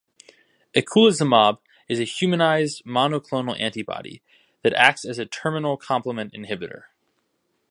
Eculizumab is a humanized monoclonal antibody that acts as a terminal complement inhibitor.